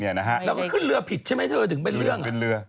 แล้วก็ขึ้นเรือผิดใช่ไหมเธอถึงเป็นเรื่อง